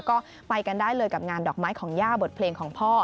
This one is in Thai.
ก็ไปกันได้เลยกับงานดอกไม้ของย่าบทเพลงของพ่อ